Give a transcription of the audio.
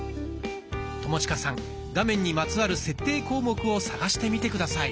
友近さん画面にまつわる設定項目を探してみて下さい。